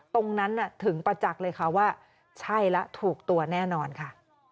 ตรงนั้นถึงประจักษ์เลยค่ะว่าใช่แล้วถูกตัวแน่นอนค่ะ